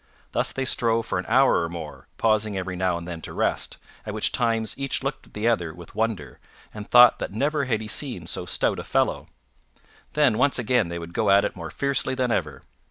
Thus they strove for an hour or more, pausing every now and then to rest, at which times each looked at the other with wonder, and thought that never had he seen so stout a fellow; then once again they would go at it more fiercely than ever.